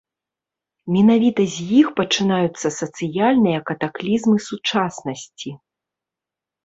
Менавіта з іх пачынаюцца сацыяльныя катаклізмы сучаснасці.